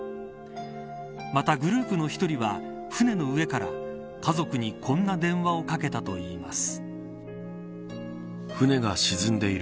またグループの１人は船の上から家族にこんな電話をかけたといいます。